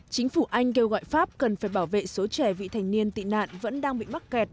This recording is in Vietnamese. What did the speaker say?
chính phủ anh kêu gọi pháp cần phải bảo vệ số trẻ vị thành niên tị nạn vẫn đang bị mắc kẹt